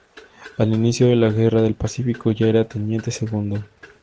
Al inicio de la guerra del Pacífico ya era teniente segundo.